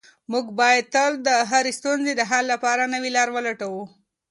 موږ باید تل د هرې ستونزې د حل لپاره نوې لاره ولټوو.